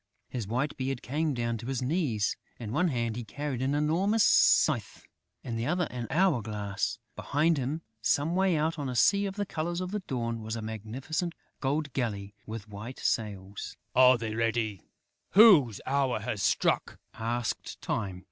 His white beard came down to his knees. In one hand, he carried an enormous scythe; in the other, an hour glass. Behind him, some way out, on a sea the colour of the Dawn, was a magnificent gold galley, with white sails. "Are they ready whose hour has struck?" asked Time.